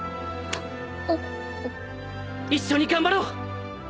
一緒に頑張ろう！